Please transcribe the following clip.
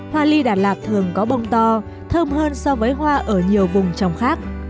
hoa ly đà lạt thường có bông to thơm hơn so với hoa ở nhiều vùng trồng khác